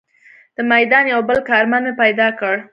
د میدان یو بل کارمند مې پیدا کړ.